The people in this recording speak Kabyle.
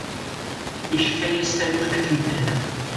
Yeḥka-yas taluft akken tella.